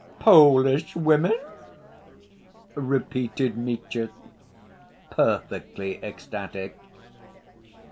"Polish women?" repeated Mitya, perfectly ecstatic.